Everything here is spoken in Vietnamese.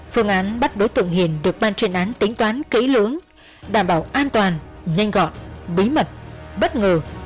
phương án bắt đối tượng hiền được ban chuyên án tính toán kỹ lưỡng đảm bảo an toàn nhanh gọn bí mật bất ngờ